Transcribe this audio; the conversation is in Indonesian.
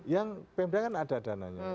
yang pemda kan ada dananya